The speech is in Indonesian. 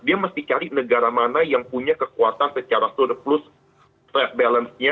dia mesti cari negara mana yang punya kekuatan secara surplus trade balance nya